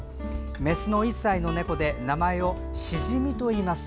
メスの１歳の猫で名前をシジミといいます。